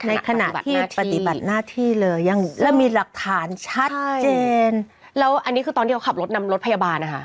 ในขณะที่ปฏิบัติหน้าที่เลยยังแล้วมีหลักฐานชัดเจนแล้วอันนี้คือตอนที่เขาขับรถนำรถพยาบาลนะคะ